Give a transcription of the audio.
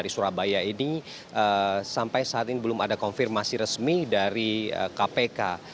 di surabaya ini sampai saat ini belum ada konfirmasi resmi dari kpk